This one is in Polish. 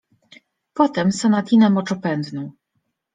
Potem Sonatinę Moczopędną.